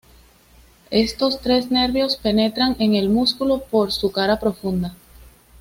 Estos tres nervios penetran en el músculo por su cara profunda.